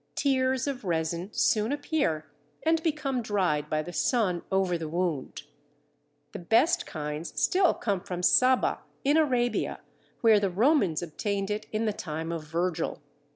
Tears of resin soon appear and become dried by the sun over the wound. The best kinds still come from Saba, in Arabia, where the Romans obtained it in the time of Virgil.